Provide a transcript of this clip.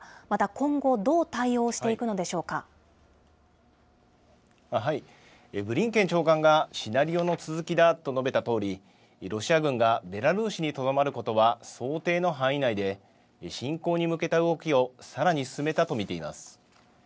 また今後、どう対応していくのでブリンケン長官がシナリオの続きだと述べたとおり、ロシア軍がベラルーシにとどまることは想定の範囲内で、侵攻に向けた動きをさらに進めたと見ています。